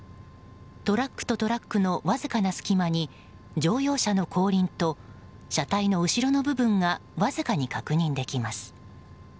トラックとトラックのわずかな隙間に乗用車の後輪と車体の後ろの部分がわずかに確認できます。